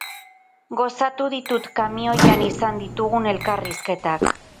Gozatu ditut kamioian izan ditugun elkarrizketak.